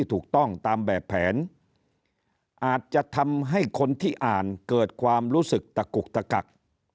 ถูกต้องตามแบบแผนอาจจะทำให้คนที่อ่านเกิดความรู้สึกตะกุกตะกัก